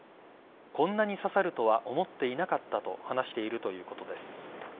こんなに刺さるとは思っていなかったと話しているということです。